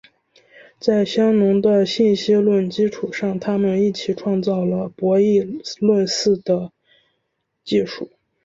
在香农的信息论基础上他们一起创造了博弈论似的技术。